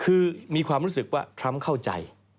คือมีความรู้สึกว่าทรัมป์เข้าใจ